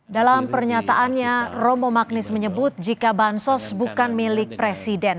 dalam pernyataannya romo magnis menyebut jika bansos bukan milik presiden